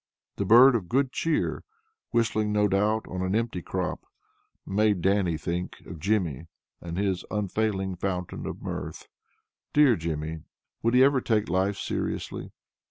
The bird of Good Cheer, whistling no doubt on an empty crop, made Dannie think of Jimmy, and his unfailing fountain of mirth. Dear Jimmy! Would he ever take life seriously?